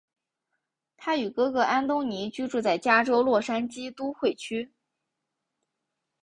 他与哥哥安东尼居住在加州洛杉矶都会区。